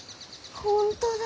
本当だ。